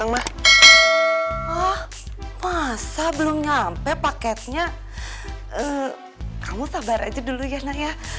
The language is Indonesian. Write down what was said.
masa belum nyampe paketnya kamu sabar aja dulu ya nak ya